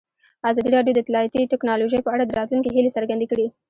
ازادي راډیو د اطلاعاتی تکنالوژي په اړه د راتلونکي هیلې څرګندې کړې.